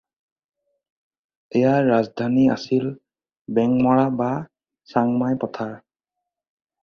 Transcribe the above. ইয়াৰ ৰাজধানী আছিল বেংমৰা বা চাংমাই পথাৰ।